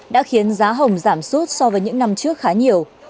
đã khiến giá hồng giảm sút so với những năm trước khá nhiều